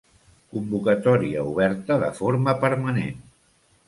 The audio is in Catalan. Convocatòria oberta de forma permanent.